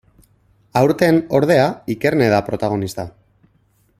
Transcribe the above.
Aurten, ordea, Ikerne da protagonista.